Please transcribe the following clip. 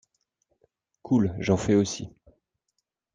Cool, j'en fait aussi.